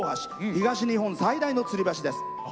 東日本最大のつり橋です。